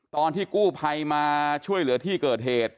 ตอนที่กู้ภัยมาช่วยเหลือที่เกิดเหตุ